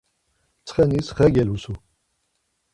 Ntsxenis xe gelusu.